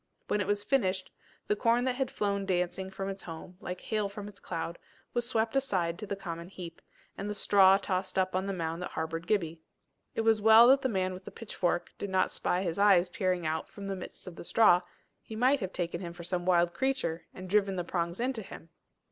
When it was finished, the corn that had flown dancing from its home, like hail from its cloud, was swept aside to the common heap, and the straw tossed up on the mound that harboured Gibbie. It was well that the man with the pitchfork did not spy his eyes peering out from the midst of the straw: he might have taken him for some wild creature, and driven the prongs into him.